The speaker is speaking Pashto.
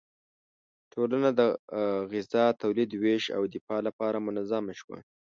ټولنه د غذا تولید، ویش او دفاع لپاره منظم شوه.